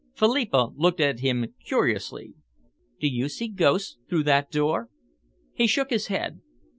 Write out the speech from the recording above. Philippa looked at him curiously. "Do you see ghosts through that door?" He shook his head.